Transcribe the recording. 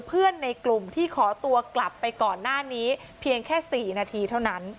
ในกลุ่มที่ขอตัวกลับไปก่อนหน้านี้เพียงแค่๔นาทีเท่านั้น